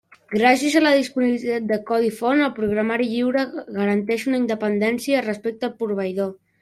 Gràcies a la disponibilitat del codi font, el programari lliure garanteix una independència respecte al proveïdor.